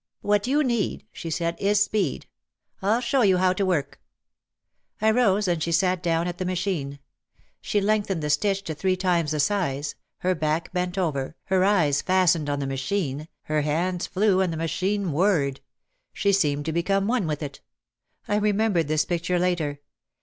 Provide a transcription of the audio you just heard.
"What you need," she said, "is speed! I'll show you how to work !" I rose and she sat down at the machine. She lengthened the stitch to three times the size, her back bent over, her eyes fastened on the machine, her hands flew, and the machine whirred. She seemed to become one with it. I remembered this picture later.